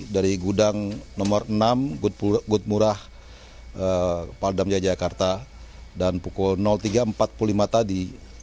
dari gudang nomor enam gudmurah paldam jaya jakarta dan pukul tiga empat puluh lima tadi